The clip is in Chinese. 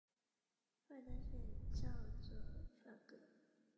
布尔代数也叫做布尔格。